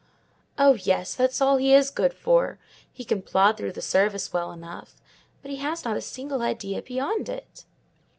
"Oh, yes, that's all he is good for: he can plod through the service well enough; but he has not a single idea beyond it."